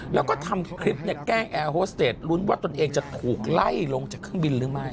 แล้วก็ทำคลิปเนี่ยแกล้งแอร์โฮสเตจลุ้นว่าตนเองจะถูกไล่ลงจากเครื่องบินหรือไม่